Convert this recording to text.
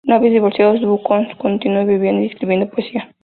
Una vez divorciados, Bukowski continuó bebiendo y escribiendo poesía.